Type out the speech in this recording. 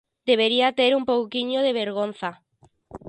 ¡Debería ter un pouquiño de vergonza!